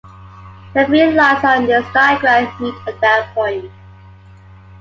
The three lines on this diagram meet at that point.